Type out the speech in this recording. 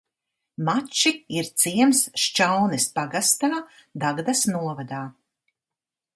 Mači ir ciems Šķaunes pagastā, Dagdas novadā.